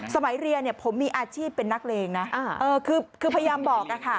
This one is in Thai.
สมัยเรียนผมมีอาชีพเป็นนักเลงนะคือพยายามบอกค่ะ